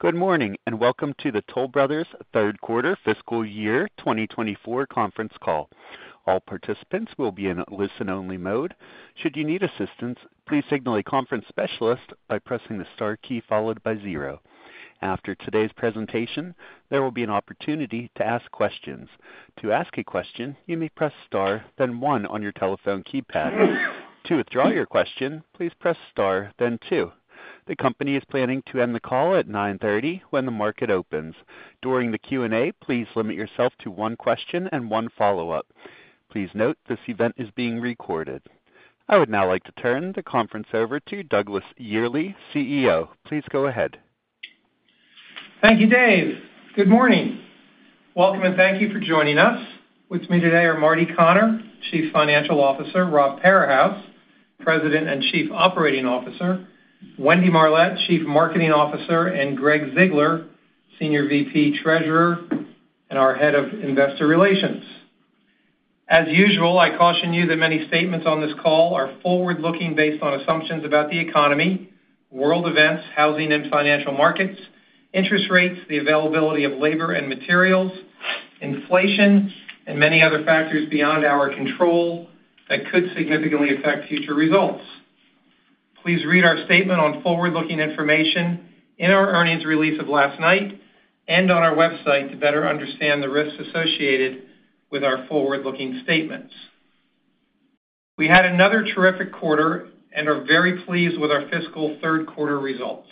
Good morning, and welcome to the Toll Brothers third quarter fiscal year 2024 conference call. All participants will be in listen-only mode. Should you need assistance, please signal a conference specialist by pressing the star key followed by zero. After today's presentation, there will be an opportunity to ask questions. To ask a question, you may press Star, then One on your telephone keypad. To withdraw your question, please press Star then Two. The company is planning to end the call at 9:30 A.M. when the market opens. During the Q&A, please limit yourself to one question and one follow-up. Please note this event is being recorded. I would now like to turn the conference over to Douglas Yearley, CEO. Please go ahead. Thank you, Dave. Good morning. Welcome, and thank you for joining us. With me today are Marty Connor, Chief Financial Officer, Rob Parahus, President and Chief Operating Officer, Wendy Marlett, Chief Marketing Officer, and Gregg Ziegler, Senior VP, Treasurer, and our Head of Investor Relations. As usual, I caution you that many statements on this call are forward-looking, based on assumptions about the economy, world events, housing and financial markets, interest rates, the availability of labor and materials, inflation, and many other factors beyond our control that could significantly affect future results. Please read our statement on forward-looking information in our earnings release of last night and on our website to better understand the risks associated with our forward-looking statements. We had another terrific quarter and are very pleased with our fiscal third quarter results.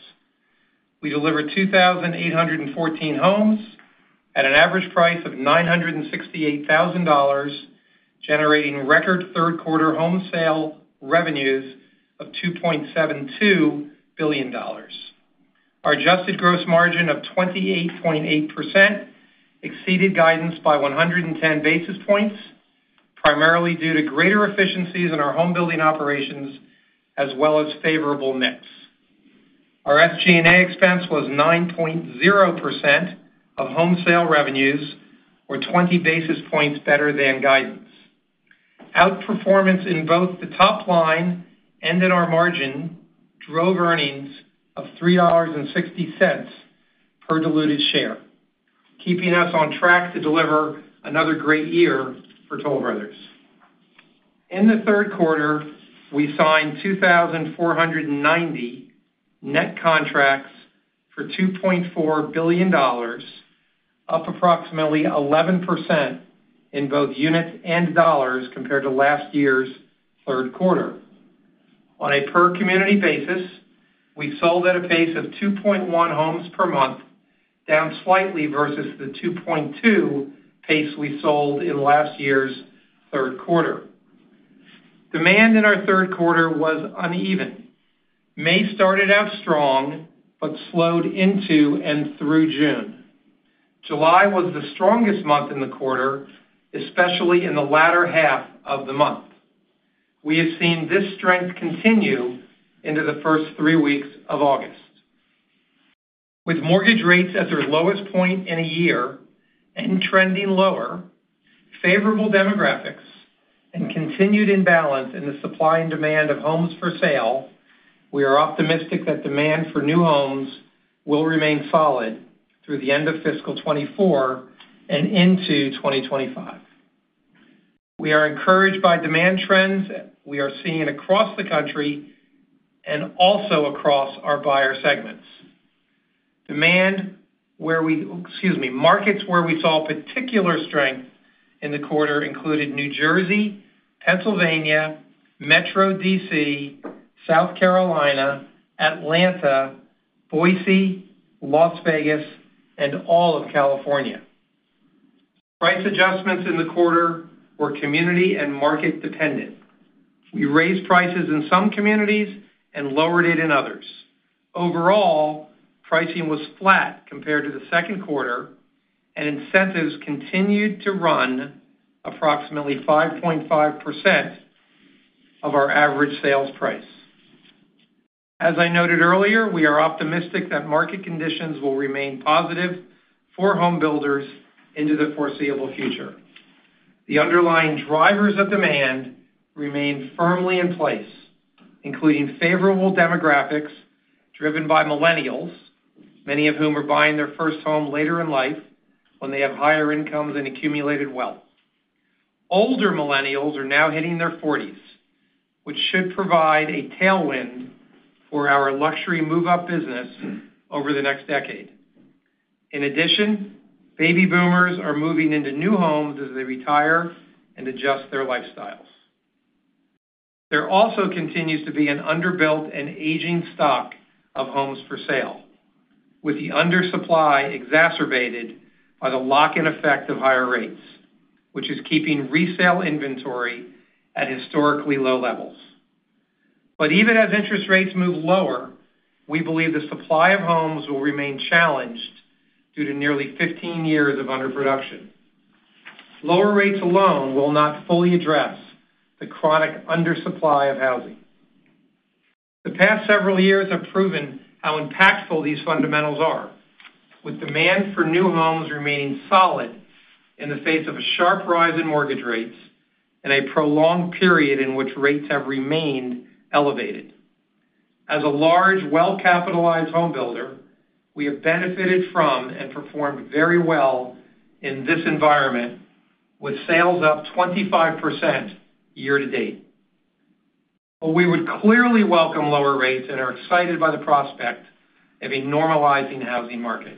We delivered 2,814 homes at an average price of $968,000, generating record third quarter home sale revenues of $2.72 billion. Our adjusted gross margin of 28.8% exceeded guidance by 110 basis points, primarily due to greater efficiencies in our home building operations, as well as favorable mix. Our SG&A expense was 9.0% of home sale revenues, or 20 basis points better than guidance. Outperformance in both the top line and in our margin drove earnings of $3.60 per diluted share, keeping us on track to deliver another great year for Toll Brothers. In the third quarter, we signed 2,490 net contracts for $2.4 billion, up approximately 11% in both units and dollars compared to last year's third quarter. On a per community basis, we sold at a pace of 2.1 homes per month, down slightly versus the 2.2 pace we sold in last year's third quarter. Demand in our third quarter was uneven. May started out strong, but slowed into and through June. July was the strongest month in the quarter, especially in the latter half of the month. We have seen this strength continue into the first three weeks of August. With mortgage rates at their lowest point in a year and trending lower, favorable demographics and continued imbalance in the supply and demand of homes for sale, we are optimistic that demand for new homes will remain solid through the end of fiscal 2024 and into 2025. We are encouraged by demand trends we are seeing across the country and also across our buyer segments. Demand, excuse me, markets where we saw particular strength in the quarter included New Jersey, Pennsylvania, Metro D.C., South Carolina, Atlanta, Boise, Las Vegas, and all of California. Price adjustments in the quarter were community and market-dependent. We raised prices in some communities and lowered it in others. Overall, pricing was flat compared to the second quarter, and incentives continued to run approximately 5.5% of our average sales price. As I noted earlier, we are optimistic that market conditions will remain positive for home builders into the foreseeable future. The underlying drivers of demand remain firmly in place, including favorable demographics driven by millennials, many of whom are buying their first home later in life when they have higher incomes and accumulated wealth. Older millennials are now hitting their forties, which should provide a tailwind for our luxury move-up business over the next decade. In addition, baby boomers are moving into new homes as they retire and adjust their lifestyles. There also continues to be an underbuilt and aging stock of homes for sale, with the undersupply exacerbated by the lock-in effect of higher rates, which is keeping resale inventory at historically low levels. But even as interest rates move lower, we believe the supply of homes will remain challenged due to nearly 15 years of underproduction. Lower rates alone will not fully address the chronic undersupply of housing. The past several years have proven how impactful these fundamentals are, with demand for new homes remaining solid in the face of a sharp rise in mortgage rates and a prolonged period in which rates have remained elevated. As a large, well-capitalized home builder, we have benefited from and performed very well in this environment, with sales up 25% year-to-date, but we would clearly welcome lower rates and are excited by the prospect of a normalizing housing market.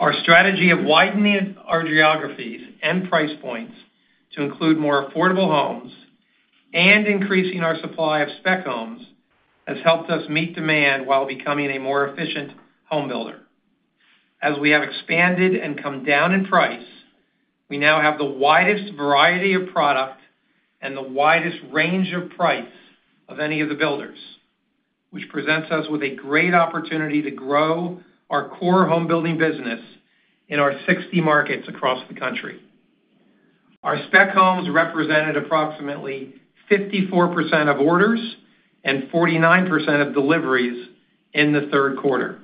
Our strategy of widening our geographies and price points to include more affordable homes and increasing our supply of spec homes has helped us meet demand while becoming a more efficient home builder. As we have expanded and come down in price, we now have the widest variety of product and the widest range of price of any of the builders, which presents us with a great opportunity to grow our core home building business in our 60 markets across the country. Our spec homes represented approximately 54% of orders and 49% of deliveries in the third quarter.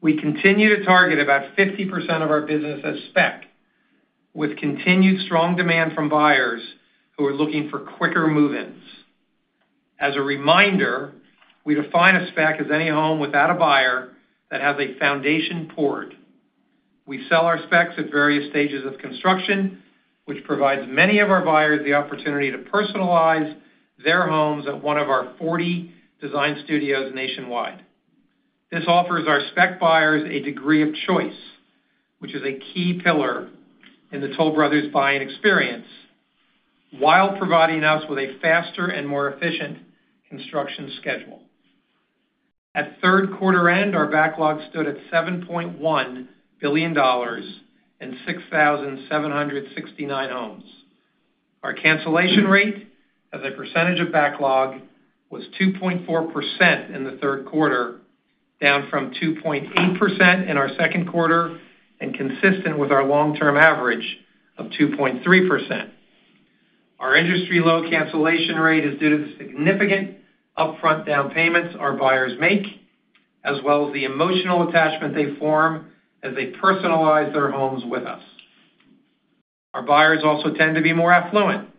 We continue to target about 50% of our business as spec, with continued strong demand from buyers who are looking for quicker move-ins. As a reminder, we define a spec as any home without a buyer that has a foundation poured. We sell our specs at various stages of construction, which provides many of our buyers the opportunity to personalize their homes at one of our 40 Design Studios nationwide. This offers our spec buyers a degree of choice, which is a key pillar in the Toll Brothers buying experience, while providing us with a faster and more efficient construction schedule. At third quarter end, our backlog stood at $7.1 billion and 6,769 homes. Our cancellation rate as a percentage of backlog was 2.4% in the third quarter, down from 2.8% in our second quarter and consistent with our long-term average of 2.3%. Our industry-low cancellation rate is due to the significant upfront down payments our buyers make, as well as the emotional attachment they form as they personalize their homes with us. Our buyers also tend to be more affluent.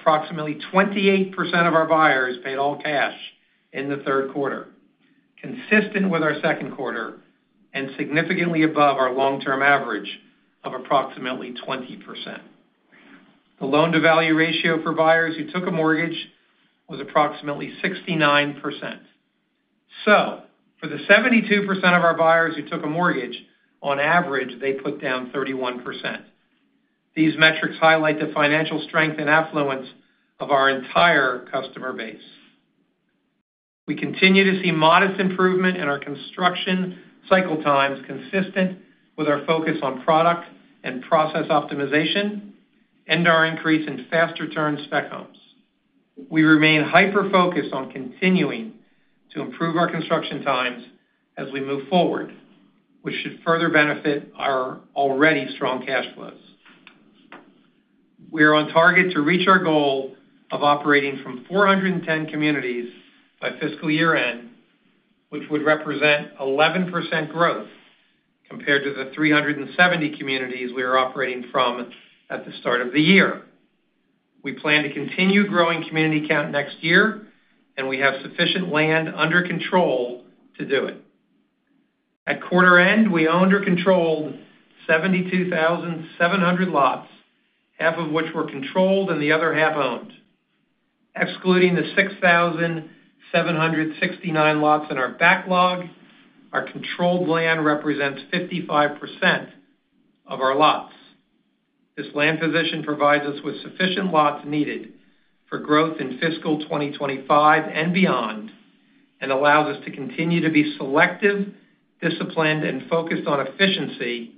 Approximately 28% of our buyers paid all cash in the third quarter, consistent with our second quarter and significantly above our long-term average of approximately 20%. The loan-to-value ratio for buyers who took a mortgage was approximately 69%. So for the 72% of our buyers who took a mortgage, on average, they put down 31%. These metrics highlight the financial strength and affluence of our entire customer base. We continue to see modest improvement in our construction cycle times, consistent with our focus on product and process optimization and our increase in fast return spec homes. We remain hyper-focused on continuing to improve our construction times as we move forward, which should further benefit our already strong cash flows. We are on target to reach our goal of operating from 410 communities by fiscal year-end, which would represent 11% growth compared to the 370 communities we were operating from at the start of the year. We plan to continue growing community count next year, and we have sufficient land under control to do it. At quarter end, we owned or controlled 72,700 lots, half of which were controlled and the other half owned. Excluding the 6,769 lots in our backlog, our controlled land represents 55% of our lots. This land position provides us with sufficient lots needed for growth in fiscal 2025 and beyond, and allows us to continue to be selective, disciplined, and focused on efficiency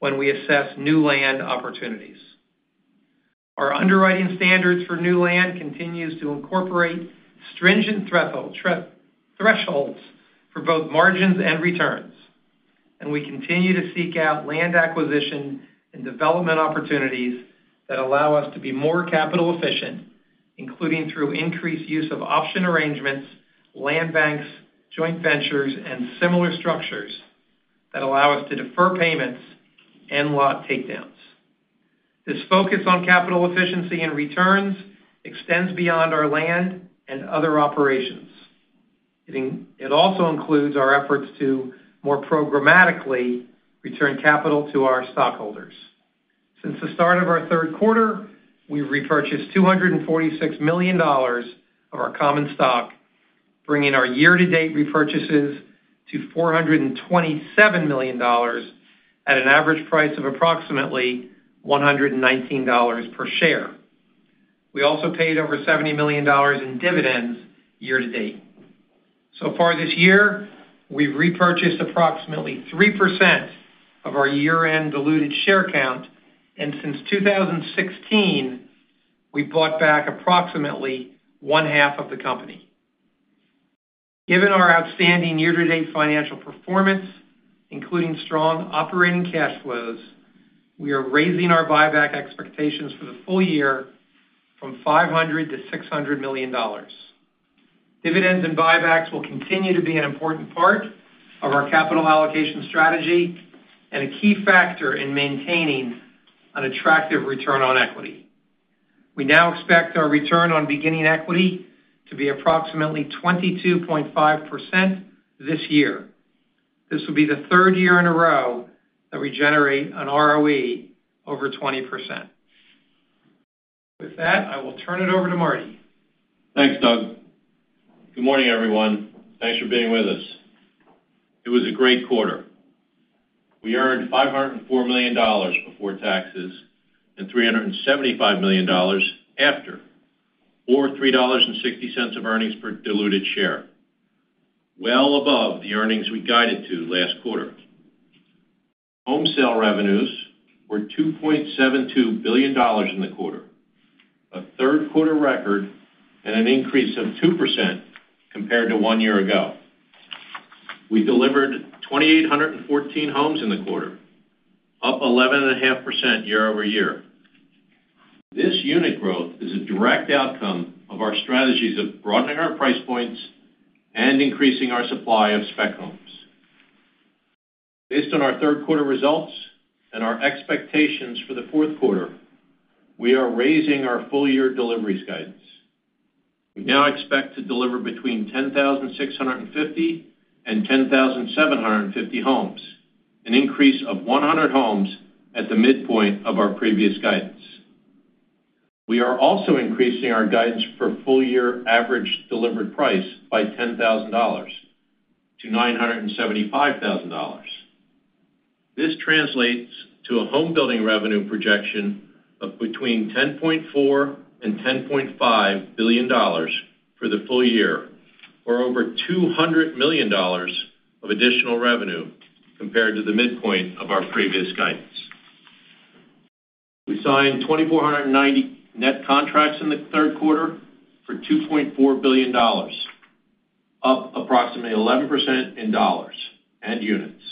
when we assess new land opportunities. Our underwriting standards for new land continues to incorporate stringent three thresholds for both margins and returns, and we continue to seek out land acquisition and development opportunities that allow us to be more capital efficient, including through increased use of option arrangements, land banks, joint ventures, and similar structures that allow us to defer payments and lot takedowns. This focus on capital efficiency and returns extends beyond our land and other operations. It also includes our efforts to more programmatically return capital to our stockholders. Since the start of our third quarter, we've repurchased $246 million of our common stock, bringing our year-to-date repurchases to $427 million, at an average price of approximately $119 per share. We also paid over $70 million in dividends year to date. So far this year, we've repurchased approximately 3% of our year-end diluted share count, and since 2016, we've bought back approximately one half of the company. Given our outstanding year-to-date financial performance, including strong operating cash flows, we are raising our buyback expectations for the full year from $500 million-$600 million. Dividends and buybacks will continue to be an important part of our capital allocation strategy and a key factor in maintaining an attractive return on equity. We now expect our return on beginning equity to be approximately 22.5% this year. This will be the third year in a row that we generate an ROE over 20%. With that, I will turn it over to Marty. Thanks, Doug. Good morning, everyone. Thanks for being with us. It was a great quarter. We earned $504 million before taxes and $375 million after, or $3.60 of earnings per diluted share, well above the earnings we guided to last quarter. Home sale revenues were $2.72 billion in the quarter, a third quarter record and an increase of 2% compared to one year ago. We delivered 2,814 homes in the quarter, up 11.5% year over year. This unit growth is a direct outcome of our strategies of broadening our price points and increasing our supply of spec homes. Based on our third quarter results and our expectations for the fourth quarter, we are raising our full year deliveries guidance. We now expect to deliver between 10,650 and 10,750 homes, an increase of 100 homes at the midpoint of our previous guidance. We are also increasing our guidance for full year average delivered price by $10,000 to $975,000. This translates to a home building revenue projection of between $10.4 billion and $10.5 billion for the full year, or over $200 million of additional revenue compared to the midpoint of our previous guidance. We signed 2,490 net contracts in the third quarter for $2.4 billion, up approximately 11% in dollars and units.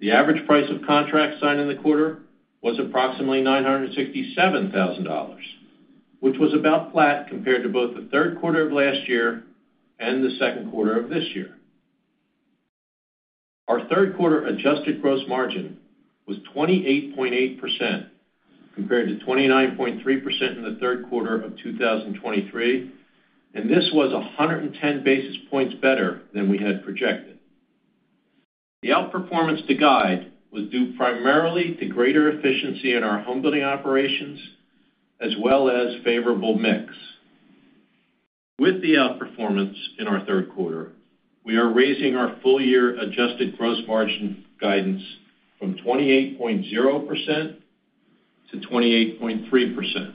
The average price of contracts signed in the quarter was approximately $967,000, which was about flat compared to both the third quarter of last year and the second quarter of this year. Our third quarter adjusted gross margin was 28.8% compared to 29.3% in the third quarter of 2023, and this was 110 basis points better than we had projected. The outperformance to guide was due primarily to greater efficiency in our home building operations, as well as favorable mix. With the outperformance in our third quarter, we are raising our full year adjusted gross margin guidance from 28.0% to 28.3%.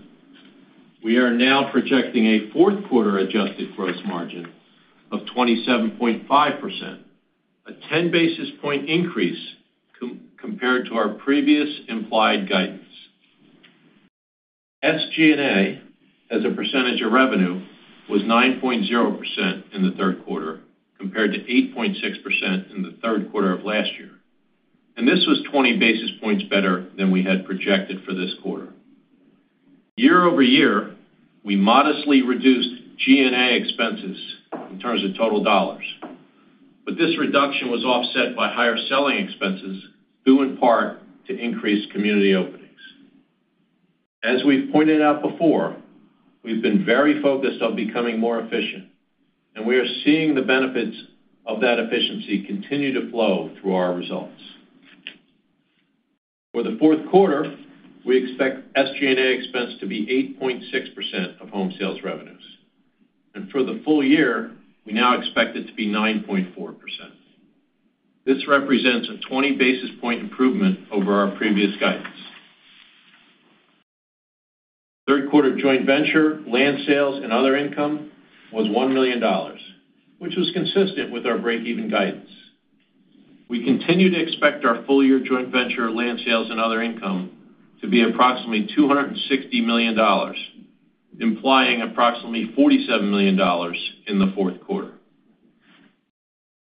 We are now projecting a fourth quarter adjusted gross margin of 27.5%, a 10 basis point increase compared to our previous implied guidance. SG&A, as a percentage of revenue, was 9.0% in the third quarter, compared to 8.6% in the third quarter of last year, and this was 20 basis points better than we had projected for this quarter. Year over year, we modestly reduced G&A expenses in terms of total dollars, but this reduction was offset by higher selling expenses, due in part to increased community openings. As we've pointed out before, we've been very focused on becoming more efficient, and we are seeing the benefits of that efficiency continue to flow through our results. For the fourth quarter, we expect SG&A expense to be 8.6% of home sales revenues, and for the full year, we now expect it to be 9.4%. This represents a 20 basis point improvement over our previous guidance. Third quarter joint venture, land sales, and other income was $1 million, which was consistent with our breakeven guidance. We continue to expect our full year joint venture, land sales, and other income to be approximately $260 million, implying approximately $47 million in the fourth quarter.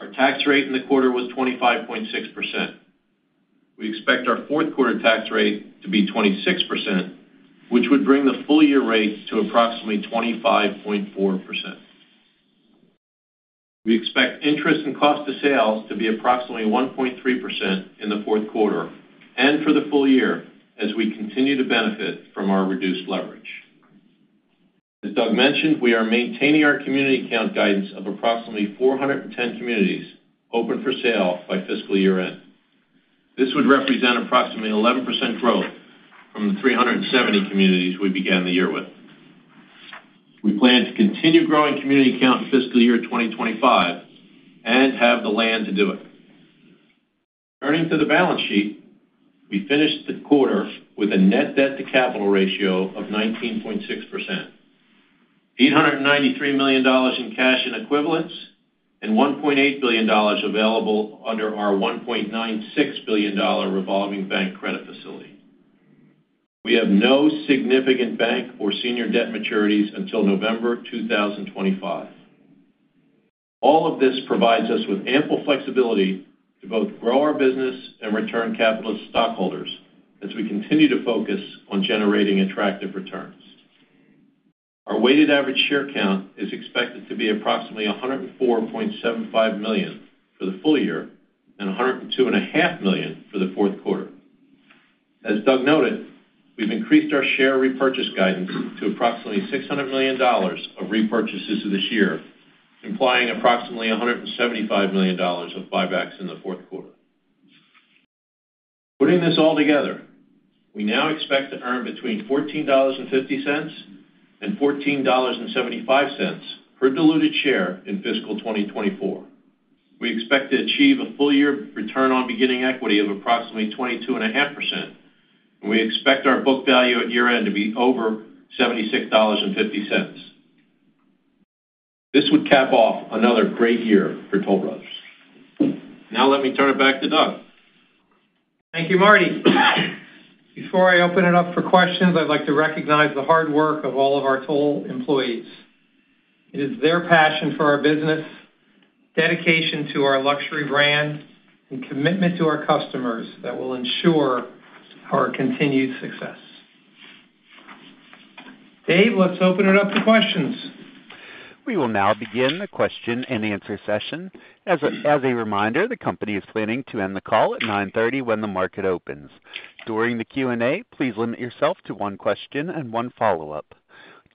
Our tax rate in the quarter was 25.6%. We expect our fourth quarter tax rate to be 26%, which would bring the full year rate to approximately 25.4%. We expect interest in cost of sales to be approximately 1.3% in the fourth quarter and for the full year as we continue to benefit from our reduced leverage. As Doug mentioned, we are maintaining our community count guidance of approximately 410 communities open for sale by fiscal year-end. This would represent approximately 11% growth from the 370 communities we began the year with. We plan to continue growing community count in fiscal year 2025 and have the land to do it. Turning to the balance sheet, we finished the quarter with a net debt to capital ratio of 19.6%, $893 million in cash and equivalents, and $1.8 billion available under our $1.96 billion revolving bank credit facility. We have no significant bank or senior debt maturities until November 2025. All of this provides us with ample flexibility to both grow our business and return capital to stockholders as we continue to focus on generating attractive returns. Our weighted average share count is expected to be approximately 104.75 million for the full year and 102.5 million for the fourth quarter. As Doug noted, we've increased our share repurchase guidance to approximately $600 million of repurchases this year, implying approximately $175 million of buybacks in the fourth quarter. Putting this all together, we now expect to earn between $14.50 and $14.75 per diluted share in fiscal 2024. We expect to achieve a full year return on beginning equity of approximately 22.5%, and we expect our book value at year-end to be over $76.50. This would cap off another great year for Toll Brothers. Now let me turn it back to Doug. Thank you, Marty. Before I open it up for questions, I'd like to recognize the hard work of all of our Toll employees. It is their passion for our business, dedication to our luxury brand, and commitment to our customers that will ensure our continued success. Dave, let's open it up to questions. We will now begin the question and answer session. As a reminder, the company is planning to end the call at 9:30 A.M. when the market opens. During the Q&A, please limit yourself to one question and one follow-up.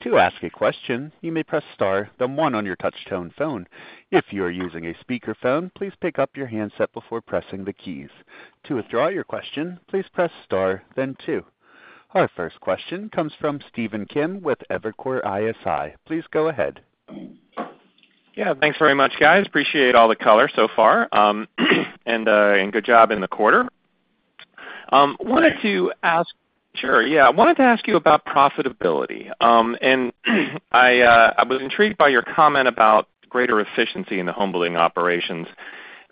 To ask a question, you may press Star, then one on your touchtone phone. If you are using a speakerphone, please pick up your handset before pressing the keys. To withdraw your question, please press Star, then two. Our first question comes from Stephen Kim with Evercore ISI. Please go ahead. Yeah, thanks very much, guys. Appreciate all the color so far, and good job in the quarter. Wanted to ask—sure, yeah. I wanted to ask you about profitability, and I was intrigued by your comment about greater efficiency in the homebuilding operations.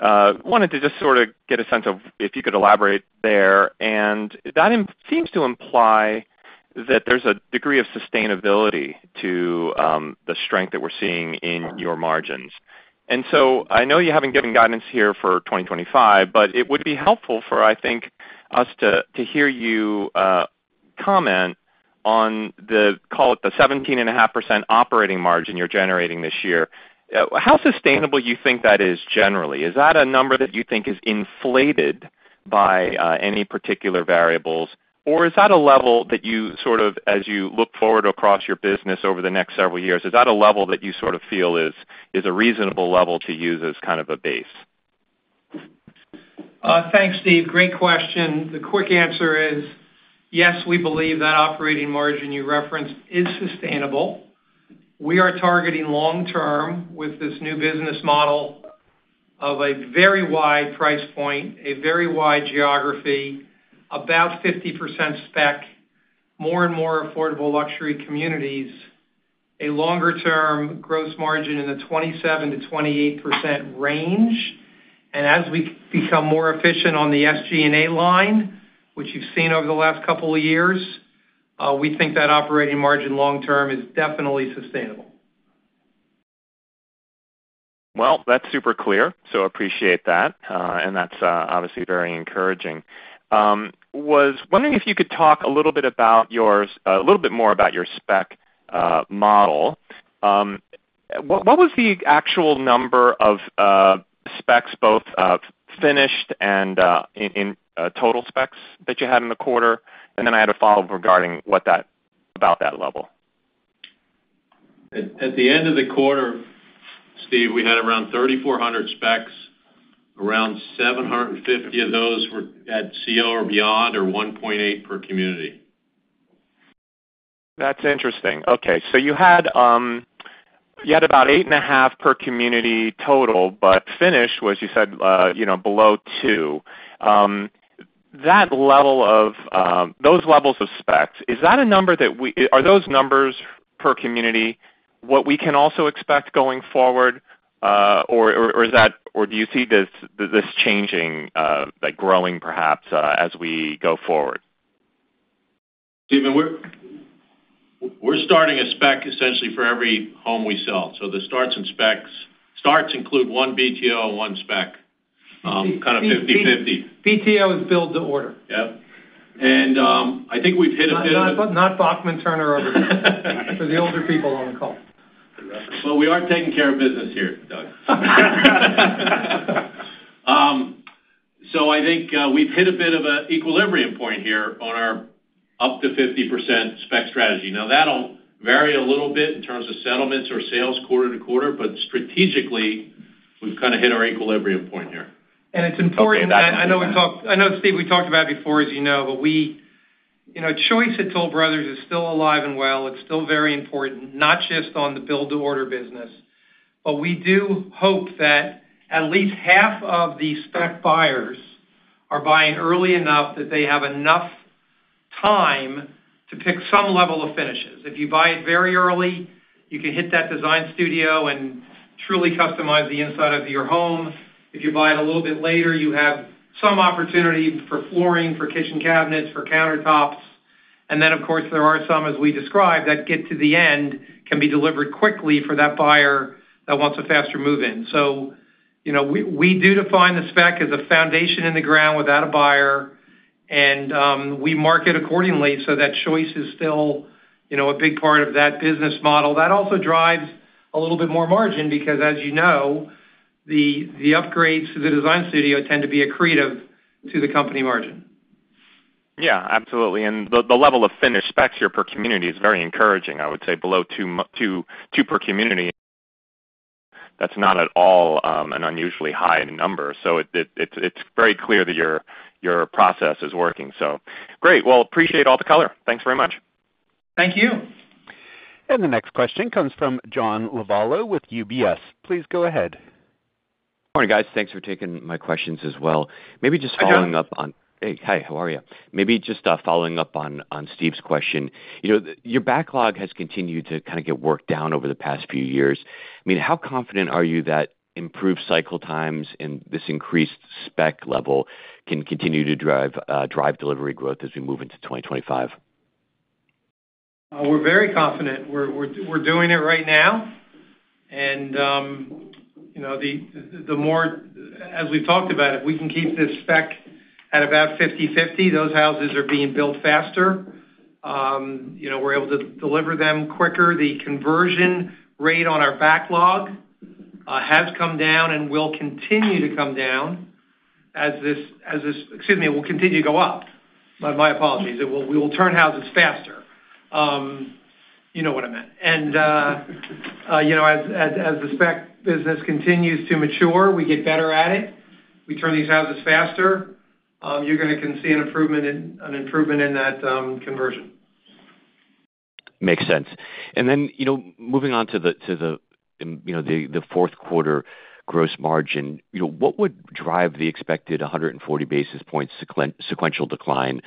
Wanted to just sort of get a sense of if you could elaborate there, and that seems to imply that there's a degree of sustainability to the strength that we're seeing in your margins. And so I know you haven't given guidance here for twenty twenty-five, but it would be helpful for, I think, us to hear you comment on the, call it, the 17.5% operating margin you're generating this year. How sustainable you think that is generally? Is that a number that you think is inflated by any particular variables? Or is that a level that you sort of, as you look forward across your business over the next several years, is that a level that you sort of feel is a reasonable level to use as kind of a base? Thanks, Steve. Great question. The quick answer is, yes, we believe that operating margin you referenced is sustainable. We are targeting long term with this new business model of a very wide price point, a very wide geography, about 50% spec, more and more affordable luxury communities, a longer-term gross margin in the 27%-28% range, and as we become more efficient on the SG&A line, which you've seen over the last couple of years, we think that operating margin long term is definitely sustainable. Well, that's super clear, so appreciate that. And that's obviously very encouraging. Was wondering if you could talk a little bit about yours, a little bit more about your spec model. What was the actual number of specs, both of finished and in total specs that you had in the quarter? And then I had a follow-up regarding what that, about that level. At the end of the quarter, Steve, we had around 3,400 specs. Around 750 of those were at CO or beyond, or 1.8 per community. That's interesting. Okay, so you had about eight and a half per community total, but finished was, you said, you know, below two. That level of those levels of specs, is that a number? Are those numbers per community what we can also expect going forward, or is that or do you see this changing, like, growing perhaps, as we go forward? Steven, we're starting a spec essentially for every home we sell. So the starts and specs include one BTO and one spec, kind of fifty/fifty. BTO is build to order. Yep. And, I think we've hit a bit- Not Bachman-Turner Overdrive—for the older people on the call. We are taking care of business here, Doug. I think we've hit a bit of an equilibrium point here on our up to 50% spec strategy. Now, that'll vary a little bit in terms of settlements or sales quarter to quarter, but strategically, we've kind of hit our equilibrium point here. And it's important. I know, Steve, we talked about it before, as you know, but we, you know, choice at Toll Brothers is still alive and well. It's still very important, not just on the build-to-order business, but we do hope that at least half of the spec buyers are buying early enough that they have enough time to pick some level of finishes. If you buy it very early, you can hit that Design Studio and truly customize the inside of your home. If you buy it a little bit later, you have some opportunity for flooring, for kitchen cabinets, for countertops. And then, of course, there are some, as we described, that get to the end, can be delivered quickly for that buyer that wants a faster move-in. So, you know, we do define the spec as a foundation in the ground without a buyer, and we market accordingly, so that choice is still, you know, a big part of that business model. That also drives a little bit more margin, because as you know, the upgrades to the Design Studio tend to be accretive to the company margin. Yeah, absolutely. And the level of finished specs here per community is very encouraging. I would say below two, two per community, that's not at all an unusually high number. So it's very clear that your process is working. So great. Well, appreciate all the color. Thanks very much. Thank you. And the next question comes from John Lovallo with UBS. Please go ahead. Good morning, guys. Thanks for taking my questions as well. Maybe just- Hi, John. Following up on... Hey, hi, how are you? Maybe just following up on Steve's question. You know, your backlog has continued to kind of get worked down over the past few years. I mean, how confident are you that improved cycle times and this increased spec level can continue to drive delivery growth as we move into twenty twenty-five? We're very confident. We're doing it right now, and, you know, the more as we talked about it, if we can keep this spec at about 50/50, those houses are being built faster. You know, we're able to deliver them quicker. The conversion rate on our backlog has come down and will continue to come down as this, excuse me, will continue to go up. My apologies. It will. We will turn houses faster. You know what I meant. And, you know, as the spec business continues to mature, we get better at it. We turn these houses faster. You're gonna see an improvement in that conversion. Makes sense. Then, you know, moving on to the fourth quarter gross margin, you know, what would drive the expected 100 basis points sequential decline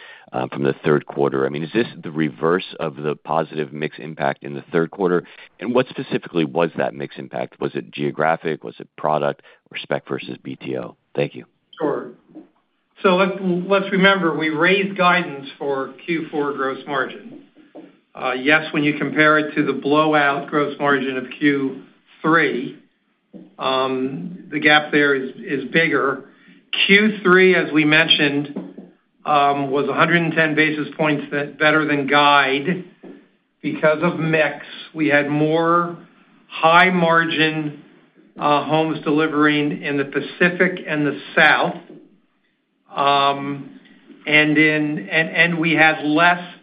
from the third quarter? I mean, is this the reverse of the positive mix impact in the third quarter? And what specifically was that mix impact? Was it geographic? Was it product or spec versus BTO? Thank you. Sure. So let's remember, we raised guidance for Q4 gross margin. Yes, when you compare it to the blowout gross margin of Q3, the gap there is bigger. Q3, as we mentioned, was one hundred and ten basis points better than guide. Because of mix, we had more high-margin homes delivering in the Pacific and the South. And we had less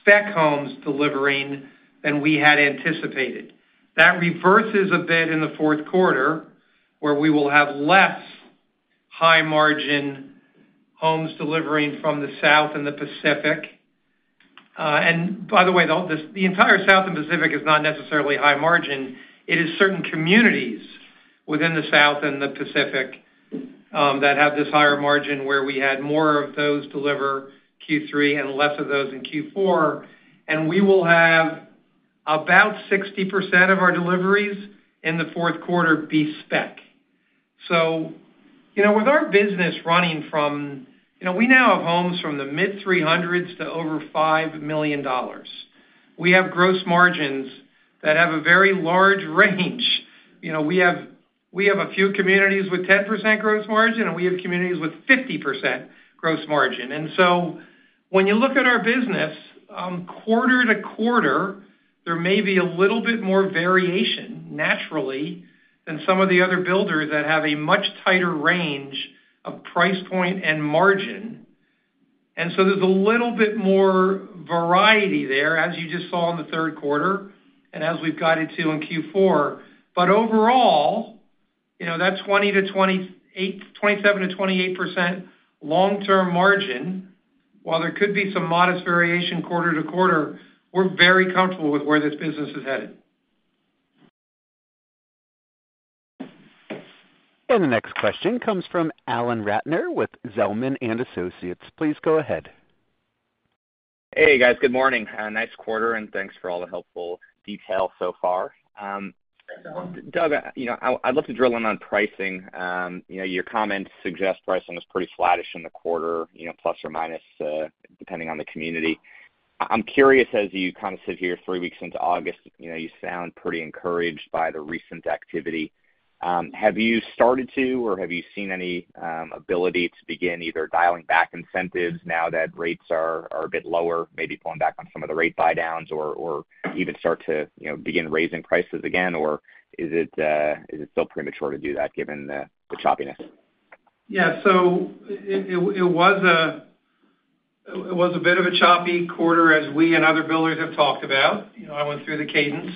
spec homes delivering than we had anticipated. That reverses a bit in the fourth quarter, where we will have less high-margin homes delivering from the South and the Pacific. And by the way, the entire South and Pacific is not necessarily high margin. It is certain communities within the South and the Pacific that have this higher margin, where we had more of those deliver Q3 and less of those in Q4, and we will have about 60% of our deliveries in the fourth quarter be spec. So, you know, with our business running from... You know, we now have homes from the mid-$300s to over $5 million. We have gross margins that have a very large range. You know, we have, we have a few communities with 10% gross margin, and we have communities with 50% gross margin. And so when you look at our business, quarter to quarter, there may be a little bit more variation, naturally, than some of the other builders that have a much tighter range of price point and margin. And so there's a little bit more variety there, as you just saw in the third quarter, and as we've guided to in Q4. But overall, you know, that 20%-28%, 27%-28% long-term margin, while there could be some modest variation quarter to quarter, we're very comfortable with where this business is headed. And the next question comes from Alan Ratner with Zelman & Associates. Please go ahead. Hey, guys. Good morning. Nice quarter, and thanks for all the helpful detail so far. Thanks, Alan. Doug, you know, I, I'd love to drill in on pricing. You know, your comments suggest pricing was pretty flattish in the quarter, you know, plus or minus, depending on the community. I'm curious, as you kind of sit here three weeks into August, you know, you sound pretty encouraged by the recent activity. Have you started to, or have you seen any, ability to begin either dialing back incentives now that rates are, are a bit lower, maybe pulling back on some of the rate buydowns or, or even start to, you know, begin raising prices again? Or is it, is it still premature to do that, given the, the choppiness? Yeah, so it was a bit of a choppy quarter, as we and other builders have talked about. You know, I went through the cadence.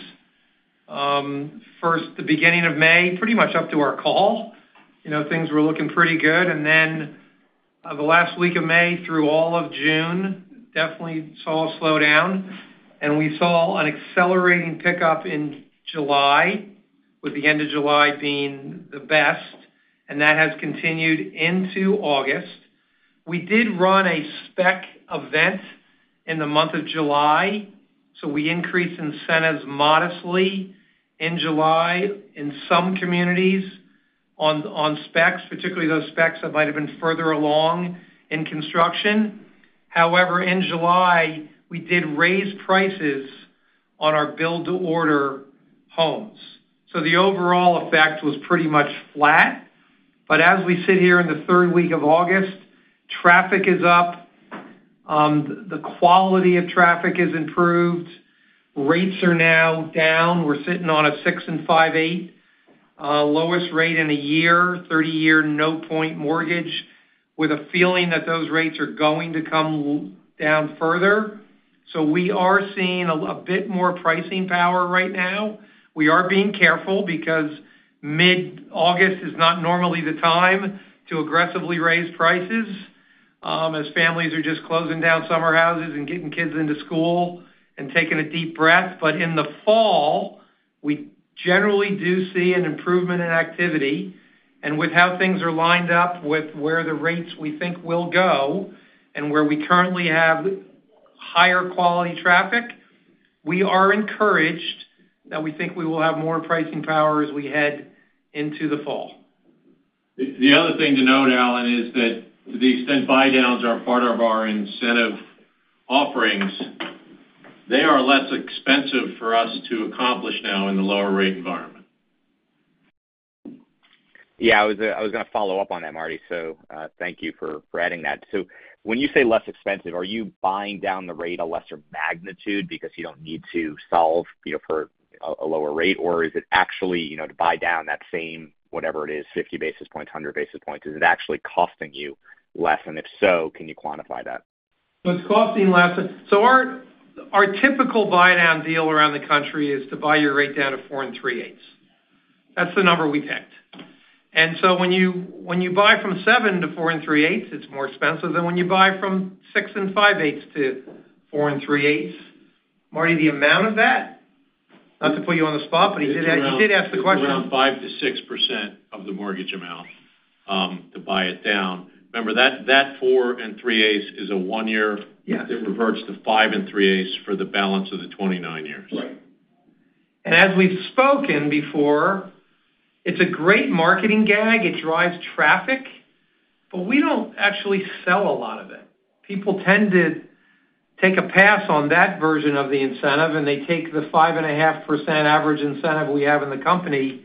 First, the beginning of May, pretty much up to our call, you know, things were looking pretty good, and then the last week of May through all of June, definitely saw a slowdown, and we saw an accelerating pickup in July, with the end of July being the best, and that has continued into August. We did run a spec event in the month of July, so we increased incentives modestly in July in some communities on specs, particularly those specs that might have been further along in construction. However, in July, we did raise prices on our build-to-order homes, so the overall effect was pretty much flat. But as we sit here in the third week of August, traffic is up, the quality of traffic is improved, rates are now down. We're sitting on a 6 5/8%, lowest rate in a year, thirty-year, no-point mortgage, with a feeling that those rates are going to come down further. So we are seeing a bit more pricing power right now. We are being careful because mid-August is not normally the time to aggressively raise prices, as families are just closing down summer houses and getting kids into school and taking a deep breath. But in the fall, we generally do see an improvement in activity, and with how things are lined up with where the rates we think will go and where we currently have higher quality traffic, we are encouraged that we think we will have more pricing power as we head into the fall. The other thing to note, Alan, is that the extent buydowns are part of our incentive offerings, they are less expensive for us to accomplish now in the lower rate environment. Yeah, I was gonna follow up on that, Marty, so, thank you for adding that. So when you say less expensive, are you buying down the rate a lesser magnitude because you don't need to solve, you know, for a lower rate? Or is it actually, you know, to buy down that same, whatever it is, fifty basis points, hundred basis points, is it actually costing you less? And if so, can you quantify that? It's costing less. Our typical buydown deal around the country is to buy your rate down to 4 3/8. That's the number we picked. And so when you buy from 7 to 4 3/8, it's more expensive than when you buy from 6 5/8 to 4 3/8. Marty, the amount of that, not to put you on the spot, but you did ask- Around- -the question. Around 5%-6% of the mortgage amount to buy it down. Remember, that 4 3/8 is a one-year- Yes. It reverts to 5.375 for the balance of the 29 years. Right. And as we've spoken before, it's a great marketing gag. It drives traffic, but we don't actually sell a lot of it. People tend to take a pass on that version of the incentive, and they take the 5.5% average incentive we have in the company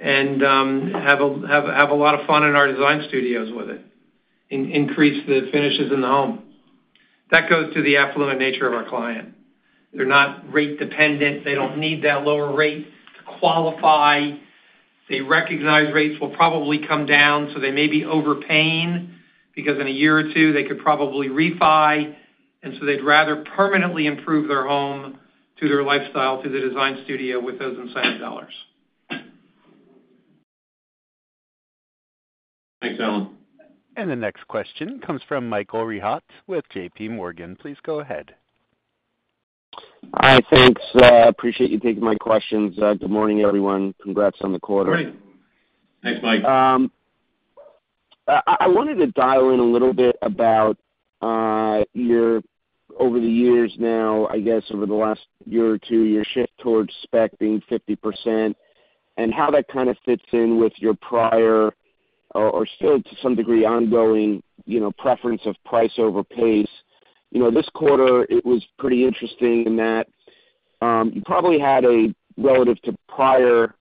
and have a lot of fun in our design studios with it, increase the finishes in the home. That goes to the affluent nature of our client. They're not rate dependent. They don't need that lower rate to qualify. They recognize rates will probably come down, so they may be overpaying, because in a year or two, they could probably refi, and so they'd rather permanently improve their home to their lifestyle, to the design studio with those incentive dollars. Thanks, Alan. The next question comes from Michael Rehaut with J.P. Morgan. Please go ahead. Hi, thanks. Appreciate you taking my questions. Good morning, everyone. Congrats on the quarter. Great. Thanks, Mike. I wanted to dial in a little bit about your, over the years now, I guess over the last year or two, your shift towards spec being 50% and how that kind of fits in with your prior or still to some degree ongoing, you know, preference of price over pace. You know, this quarter, it was pretty interesting in that you probably had a relative to prior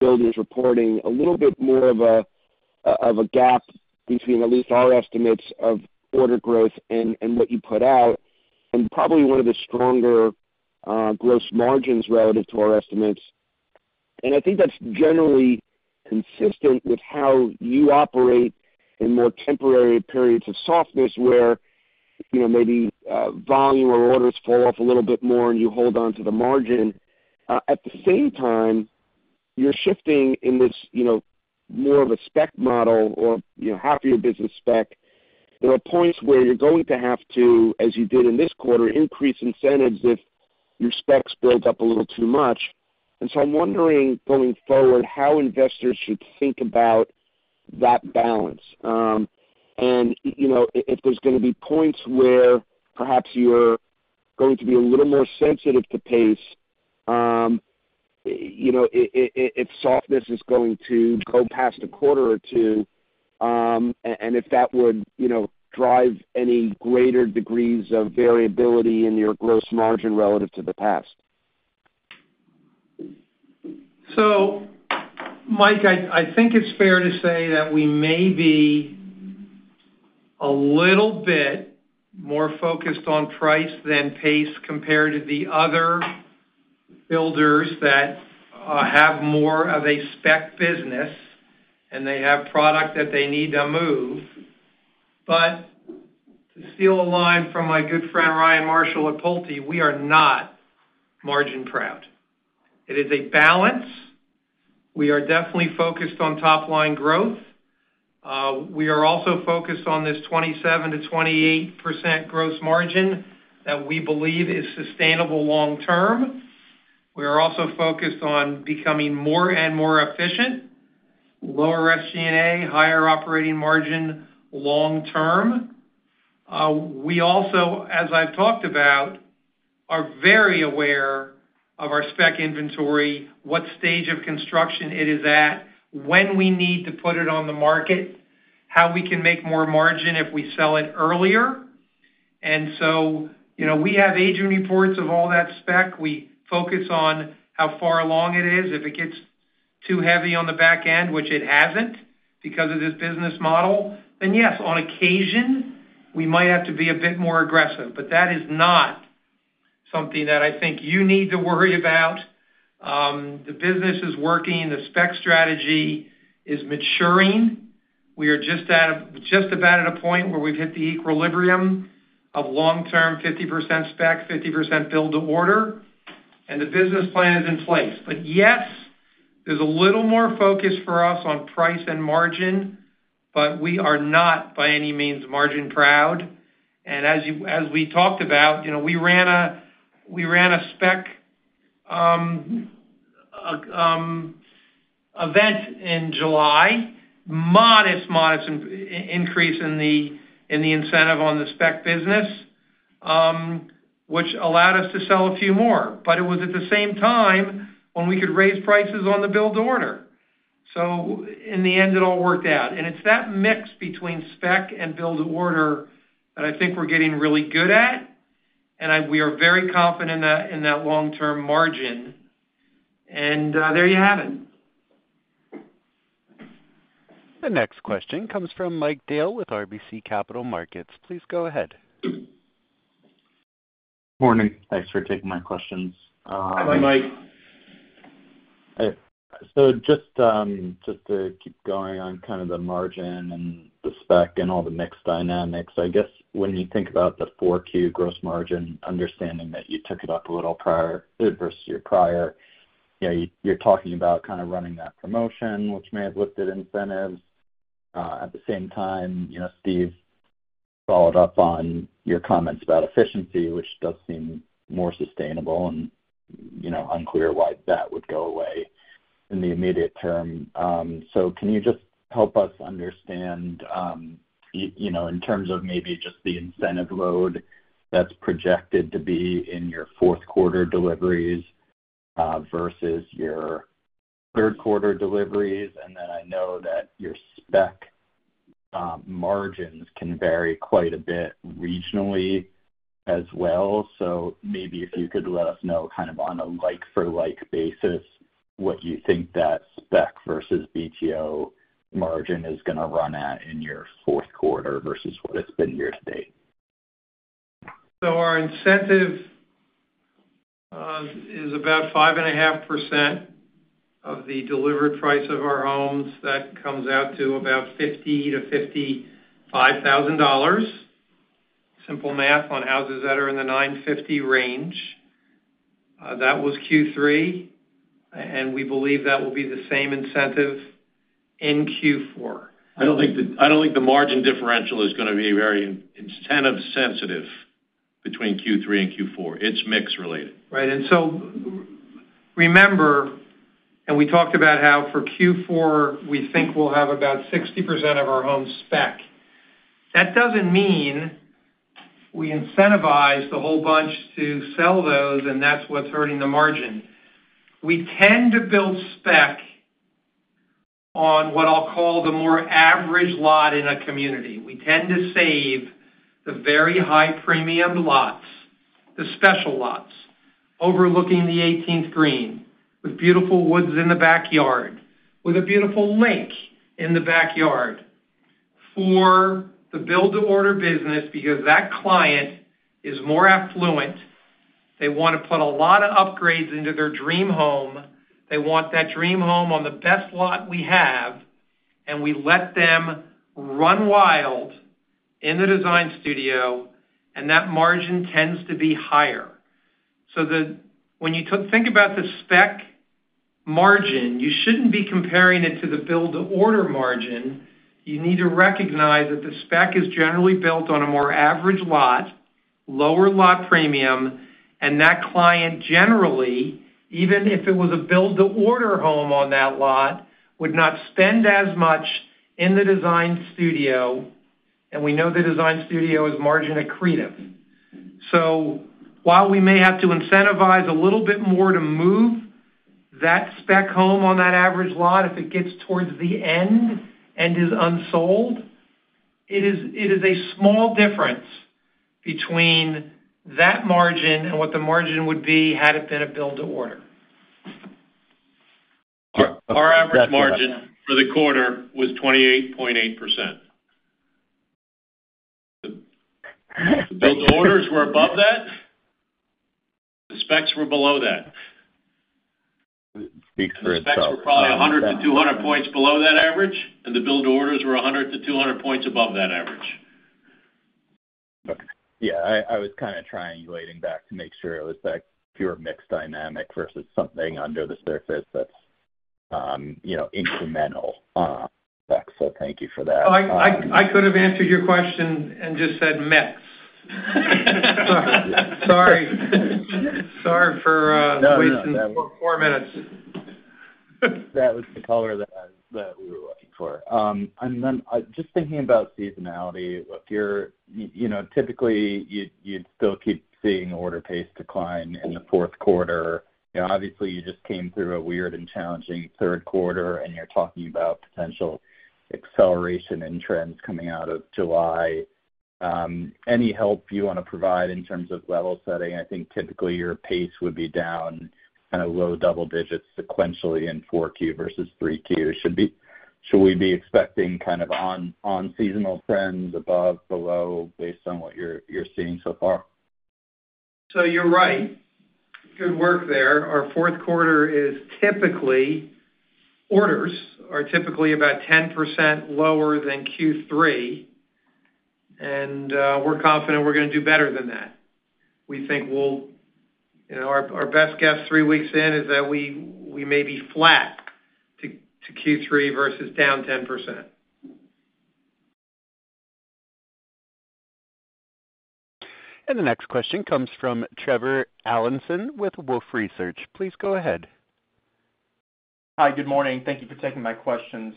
builders reporting a little bit more of a gap between at least our estimates of order growth and what you put out, and probably one of the stronger gross margins relative to our estimates. I think that's generally consistent with how you operate in more temporary periods of softness where, you know, maybe volume or orders fall off a little bit more and you hold on to the margin. At the same time, you're shifting in this, you know, more of a spec model or, you know, half of your business spec. There are points where you're going to have to, as you did in this quarter, increase incentives if your specs build up a little too much. And so I'm wondering, going forward, how investors should think about that balance. You know, if there's gonna be points where perhaps you're going to be a little more sensitive to pace, you know, if softness is going to go past a quarter or two, and if that would, you know, drive any greater degrees of variability in your gross margin relative to the past? So Mike, I think it's fair to say that we may be a little bit more focused on price than pace compared to the other builders that have more of a spec business, and they have product that they need to move. But to steal a line from my good friend, Ryan Marshall at Pulte, we are not margin proud. It is a balance. We are definitely focused on top-line growth. We are also focused on this 27%-28% gross margin that we believe is sustainable long term. We are also focused on becoming more and more efficient, higher operating margin long term. We also, as I've talked about, are very aware of our spec inventory, what stage of construction it is at, when we need to put it on the market, how we can make more margin if we sell it earlier. And so, you know, we have aging reports of all that spec. We focus on how far along it is, if it gets too heavy on the back end, which it hasn't, because of this business model, then yes, on occasion, we might have to be a bit more aggressive, but that is not something that I think you need to worry about. The business is working, the spec strategy is maturing. We are just at, just about at a point where we've hit the equilibrium of long-term 50% spec, 50% build-to-order, and the business plan is in place. But yes, there's a little more focus for us on price and margin, but we are not by any means margin-proud. And as we talked about, you know, we ran a spec event in July, modest increase in the incentive on the spec business, which allowed us to sell a few more. But it was at the same time when we could raise prices on the build-to-order. So in the end, it all worked out. And it's that mix between spec and build-to-order that I think we're getting really good at, and we are very confident in that long-term margin. And there you have it. The next question comes from Mike Dahl with RBC Capital Markets. Please go ahead. Morning. Thanks for taking my questions. Hi, Mike. Hey. So just, just to keep going on kind of the margin and the spec and all the mix dynamics, I guess when you think about the Q4 gross margin, understanding that you took it up a little prior versus your prior, you know, you're talking about kind of running that promotion, which may have lifted incentives. At the same time, you know, Steve followed up on your comments about efficiency, which does seem more sustainable and, you know, unclear why that would go away in the immediate term. So can you just help us understand, you know, in terms of maybe just the incentive load that's projected to be in your fourth quarter deliveries, versus your third quarter deliveries? And then I know that your spec margins can vary quite a bit regionally as well. So maybe if you could let us know, kind of on a like-for-like basis, what you think that spec versus BTO margin is gonna run at in your fourth quarter versus what it's been year-to-date? So our incentive is about 5.5% of the delivered price of our homes. That comes out to about $50,000-$55,000. Simple math on houses that are in the $950,000 range. That was Q3, and we believe that will be the same incentive in Q4. I don't think the margin differential is gonna be very incentive sensitive between Q3 and Q4. It's mix related. Right, and so remember, and we talked about how for Q4, we think we'll have about 60% of our homes spec. That doesn't mean we incentivize the whole bunch to sell those, and that's what's hurting the margin. We tend to build spec on what I'll call the more average lot in a community. We tend to save the very high-premium lots, the special lots, overlooking the eighteenth green, with beautiful woods in the backyard, with a beautiful lake in the backyard, for the build-to-order business, because that client is more affluent. They want to put a lot of upgrades into their dream home. They want that dream home on the best lot we have, and we let them run wild in the design studio, and that margin tends to be higher. So when you think about the spec margin, you shouldn't be comparing it to the build-to-order margin. You need to recognize that the spec is generally built on a more average lot, lower lot premium, and that client generally, even if it was a build-to-order home on that lot, would not spend as much in the design studio, and we know the design studio is margin accretive. So while we may have to incentivize a little bit more to move that spec home on that average lot, if it gets towards the end and is unsold, it is a small difference between that margin and what the margin would be, had it been a build-to-order. Okay. Our average margin for the quarter was 28.8%. Build-to-orders were above that, the specs were below that. Speaks for itself. Specs were probably 100-200 points below that average, and the build-to-orders were 100-200 points above that average. Yeah, I was kind of triangulating back to make sure it was that pure mix dynamic versus something under the surface that's you know, incremental spec. So thank you for that. I could have answered your question and just said, "mix." Sorry. Sorry for- No, no... Waiting four, four minutes. That was the color that, that we were looking for. And then, just thinking about seasonality, if you're you know, typically, you'd still keep seeing order pace decline in the fourth quarter. You know, obviously, you just came through a weird and challenging third quarter, and you're talking about potential acceleration in trends coming out of July. Any help you wanna provide in terms of level setting? I think typically, your pace would be down kind of low double digits sequentially in four Q versus three Q. Should we be expecting kind of on seasonal trends above, below, based on what you're seeing so far? So you're right. Good work there. Our fourth quarter is typically... Orders are typically about 10% lower than Q3, and we're confident we're gonna do better than that. We think we'll, you know, our best guess three weeks in, is that we may be flat to Q3 versus down 10%. And the next question comes from Trevor Allinson, with Wolfe Research. Please go ahead. Hi, good morning. Thank you for taking my questions.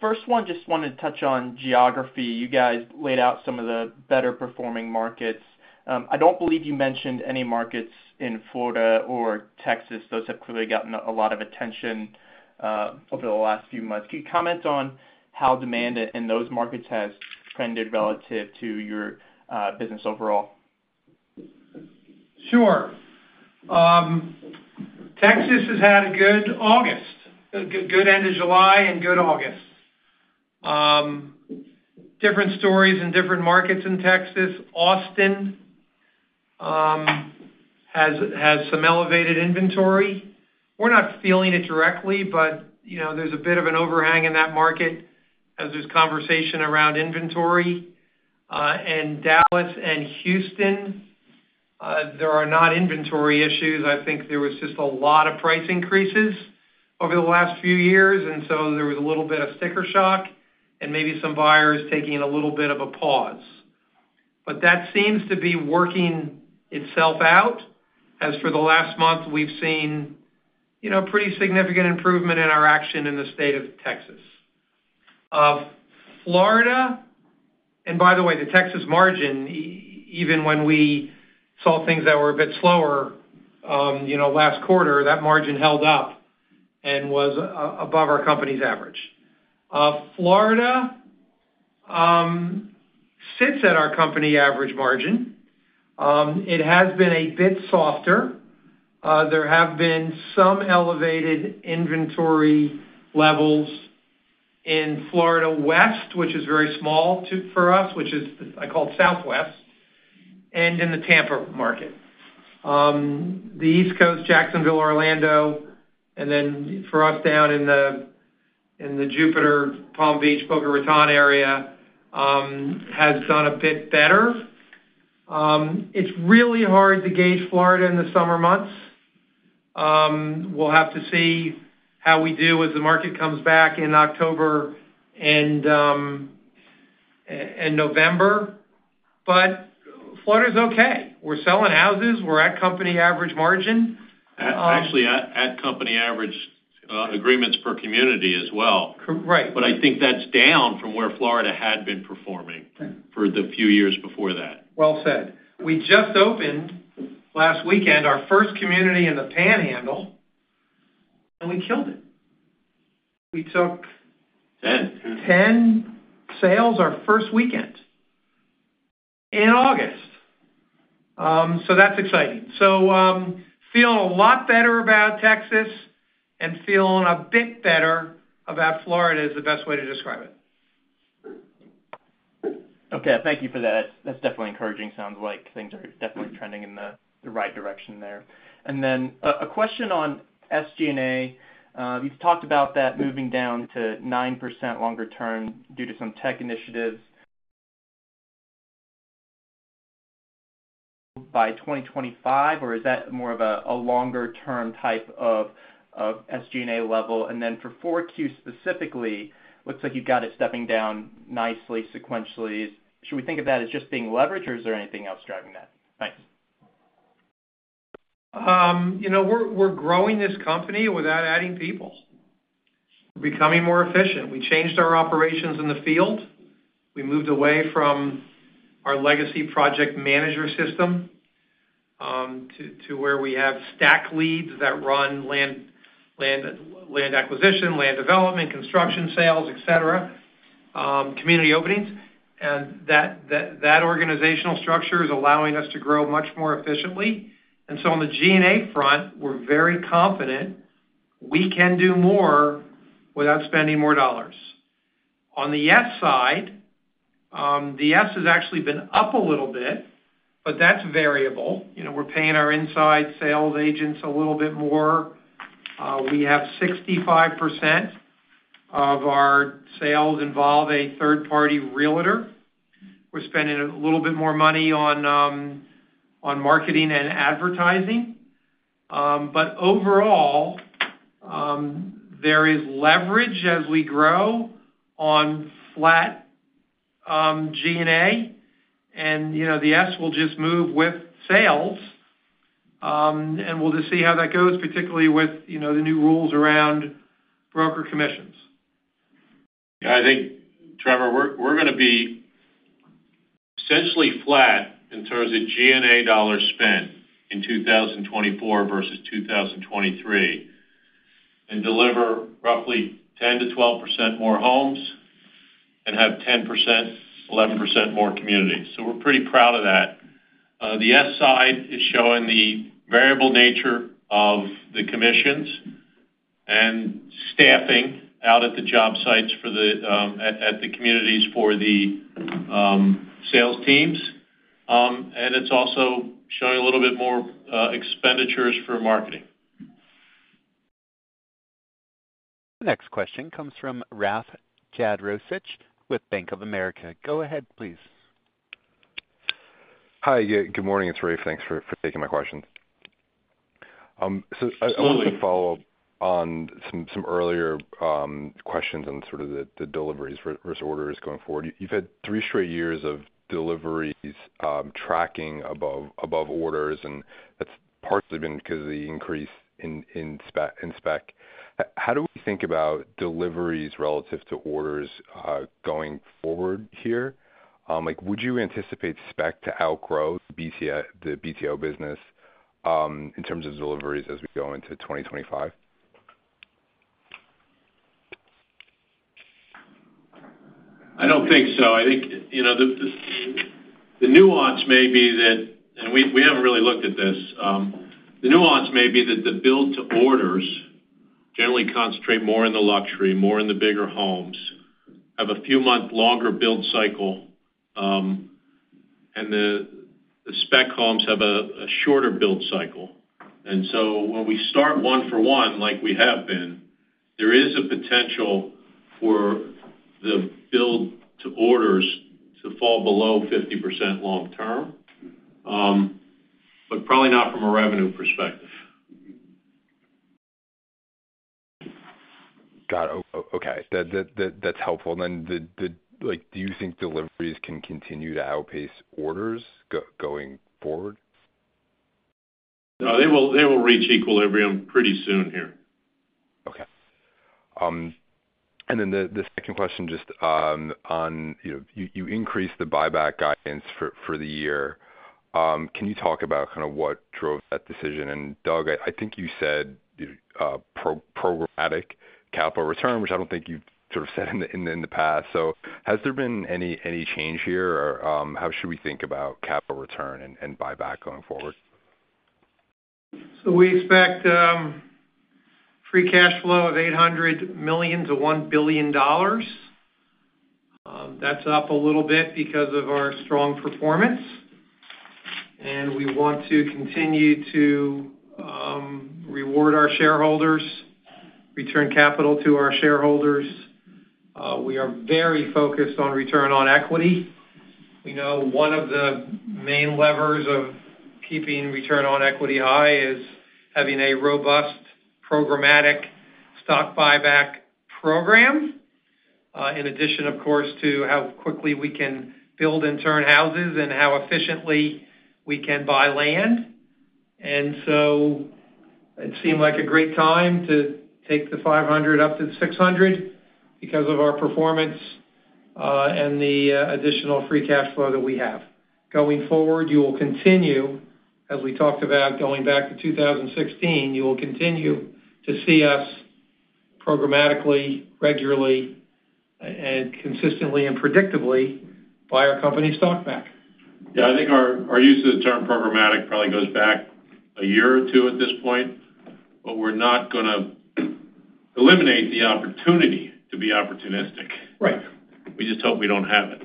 First one, just wanted to touch on geography. You guys laid out some of the better performing markets. I don't believe you mentioned any markets in Florida or Texas. Those have clearly gotten a lot of attention over the last few months. Can you comment on how demand in those markets has trended relative to your business overall? Sure. Texas has had a good August, a good end of July and good August. Different stories in different markets in Texas. Austin has some elevated inventory. We're not feeling it directly, but you know, there's a bit of an overhang in that market, as there's conversation around inventory. In Dallas and Houston, there are not inventory issues. I think there was just a lot of price increases over the last few years, and so there was a little bit of sticker shock, and maybe some buyers taking a little bit of a pause. But that seems to be working itself out, as for the last month we've seen you know, pretty significant improvement in our action in the state of Texas. Florida... And by the way, the Texas margin, even when we saw things that were a bit slower, you know, last quarter, that margin held up and was above our company's average. Florida sits at our company average margin. It has been a bit softer. There have been some elevated inventory levels in Florida West, which is very small for us, which is, I call Southwest, and in the Tampa market. The East Coast, Jacksonville, Orlando, and then for us, down in the Jupiter, Palm Beach, Boca Raton area, has done a bit better. It's really hard to gauge Florida in the summer months. We'll have to see how we do as the market comes back in October and November. But Florida's okay. We're selling houses, we're at company average margin. Actually, at company average, agreements per community as well. Cor- right. But I think that's down from where Florida had been performing- Right... for the few years before that. Well said. We just opened, last weekend, our first community in the Panhandle, and we killed it. We took- 10... 10 sales our first weekend, in August. So that's exciting. So, feeling a lot better about Texas, and feeling a bit better about Florida, is the best way to describe it. Okay, thank you for that. That's definitely encouraging. Sounds like things are definitely trending in the right direction there. And then, a question on SG&A. You've talked about that moving down to 9% longer term due to some tech initiatives.... By 2025, or is that more of a longer term type of SG&A level? And then for 4Q specifically, looks like you've got it stepping down nicely, sequentially. Should we think of that as just being leverage, or is there anything else driving that? Thanks. You know, we're growing this company without adding people. We're becoming more efficient. We changed our operations in the field. We moved away from our legacy project manager system to where we have stack leads that run land acquisition, land development, construction sales, et cetera, community openings. And that organizational structure is allowing us to grow much more efficiently. And so on the G&A front, we're very confident we can do more without spending more dollars. On the S side, the S has actually been up a little bit, but that's variable. You know, we're paying our inside sales agents a little bit more. We have 65% of our sales involve a third-party Realtor. We're spending a little bit more money on marketing and advertising. But overall... There is leverage as we grow on flat SG&A, and, you know, the S will just move with sales, and we'll just see how that goes, particularly with, you know, the new rules around broker commissions. Yeah, I think, Trevor, we're gonna be essentially flat in terms of SG&A dollar spend in 2024 versus 2023, and deliver roughly 10%-12% more homes and have 10%, 11% more communities. So we're pretty proud of that. The S side is showing the variable nature of the commissions and staffing out at the job sites for the communities for the sales teams, and it's also showing a little bit more expenditures for marketing. Next question comes from Rafe Jadrosich with Bank of America. Go ahead, please. Hi, yeah, good morning. It's Rafe. Thanks for taking my question. So I- Sure. Wanna follow up on some earlier questions on sort of the deliveries versus orders going forward. You've had three straight years of deliveries tracking above orders, and that's partly been because of the increase in spec. How do we think about deliveries relative to orders going forward here? Like, would you anticipate spec to outgrow the BTO, the BTO business in terms of deliveries as we go into 2025? I don't think so. I think, you know, the nuance may be that. And we haven't really looked at this. The nuance may be that the build-to-orders generally concentrate more in the luxury, more in the bigger homes, have a few months longer build cycle, and the spec homes have a shorter build cycle. And so when we start one for one, like we have been, there is a potential for the build-to-orders to fall below 50% long term, but probably not from a revenue perspective. Got it. Okay, that's helpful. Then, like, do you think deliveries can continue to outpace orders going forward? No, they will, they will reach equilibrium pretty soon here. Okay. And then the second question, just on, you know, you increased the buyback guidance for the year. Can you talk about kind of what drove that decision? And Doug, I think you said, you know, programmatic capital return, which I don't think you've sort of said in the past. So has there been any change here, or how should we think about capital return and buyback going forward? So we expect free cash flow of $800 million-$1 billion. That's up a little bit because of our strong performance, and we want to continue to reward our shareholders, return capital to our shareholders. We are very focused on return on equity. We know one of the main levers of keeping return on equity high is having a robust, programmatic stock buyback program, in addition, of course, to how quickly we can build and turn houses and how efficiently we can buy land. And so it seemed like a great time to take the $500 up to $600 because of our performance, and the additional free cash flow that we have. Going forward, you will continue, as we talked about going back to 2016, you will continue to see us programmatically, regularly, and consistently and predictably buy our company stock back. Yeah, I think our use of the term programmatic probably goes back a year or two at this point, but we're not gonna eliminate the opportunity to be opportunistic. Right. We just hope we don't have it.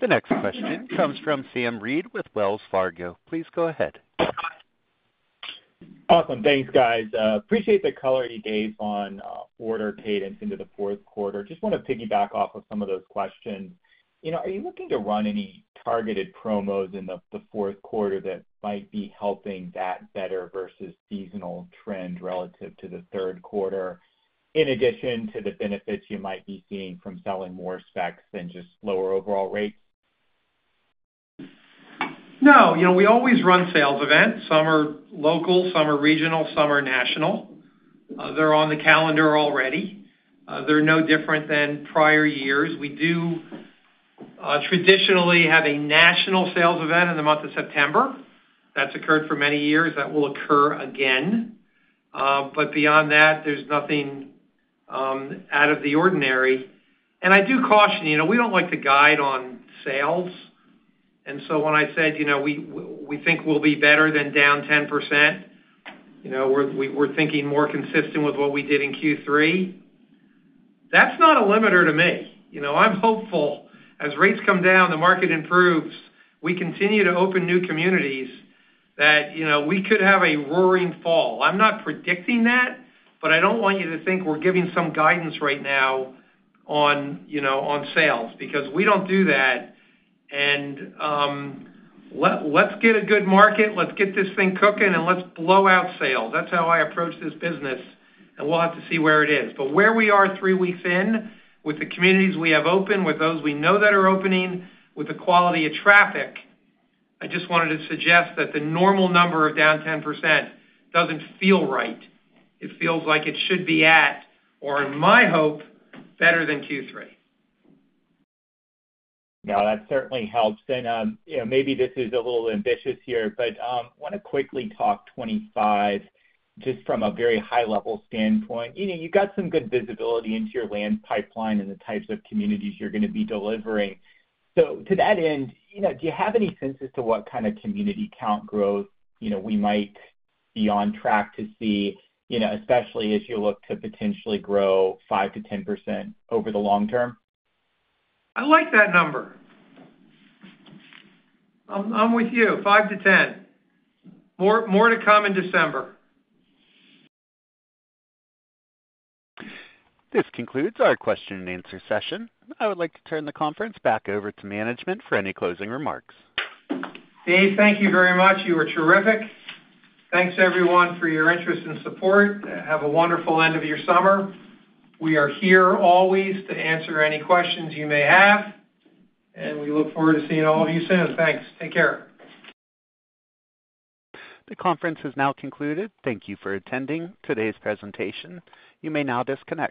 The next question comes from Sam Reid with Wells Fargo. Please go ahead. Awesome. Thanks, guys. Appreciate the color you gave on order cadence into the fourth quarter. Just wanna piggyback off of some of those questions. You know, are you looking to run any targeted promos in the fourth quarter that might be helping that better versus seasonal trend relative to the third quarter, in addition to the benefits you might be seeing from selling more specs than just lower overall rates? No. You know, we always run sales events. Some are local, some are regional, some are national. They're on the calendar already. They're no different than prior years. We do traditionally have a national sales event in the month of September. That's occurred for many years. That will occur again. But beyond that, there's nothing out of the ordinary. And I do caution, you know, we don't like to guide on sales, and so when I said, you know, we think we'll be better than down 10%, you know, we're thinking more consistent with what we did in Q3, that's not a limiter to me. You know, I'm hopeful as rates come down, the market improves, we continue to open new communities that, you know, we could have a roaring fall. I'm not predicting that, but I don't want you to think we're giving some guidance right now on, you know, on sales, because we don't do that. And, let's get a good market, let's get this thing cooking, and let's blow out sales. That's how I approach this business, and we'll have to see where it is. But where we are three weeks in, with the communities we have open, with those we know that are opening, with the quality of traffic, I just wanted to suggest that the normal number of down 10% doesn't feel right. It feels like it should be at, or in my hope, better than Q3. Yeah, that certainly helps. And, you know, maybe this is a little ambitious here, but, wanna quickly talk 2025, just from a very high level standpoint. You know, you've got some good visibility into your land pipeline and the types of communities you're gonna be delivering. So to that end, you know, do you have any sense as to what kind of community count growth, you know, we might be on track to see, you know, especially as you look to potentially grow 5%-10% over the long term? I like that number. I'm with you, five to 10. More to come in December. This concludes our question and answer session. I would like to turn the conference back over to management for any closing remarks. Dave, thank you very much. You were terrific. Thanks, everyone, for your interest and support. Have a wonderful end of your summer. We are here always to answer any questions you may have, and we look forward to seeing all of you soon. Thanks. Take care. The conference is now concluded. Thank you for attending today's presentation. You may now disconnect.